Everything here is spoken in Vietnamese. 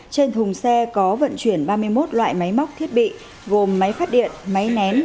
trên thùng xe có vận chuyển ba mươi một loại máy móc thiết bị gồm máy phát điện máy nén